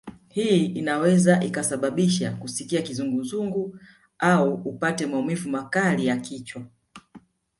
Hii inaweza ikasababisha kusikia kizunguzungu au upate maumivu makali ya kichwa